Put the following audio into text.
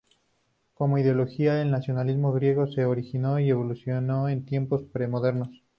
Como ideología, el nacionalismo griego se originó y evolucionó en tiempos pre-modernos.